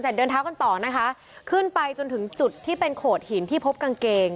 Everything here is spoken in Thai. เดินเท้ากันต่อนะคะขึ้นไปจนถึงจุดที่เป็นโขดหินที่พบกางเกง